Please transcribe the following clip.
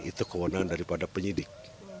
itu kewenangan daripada penyidik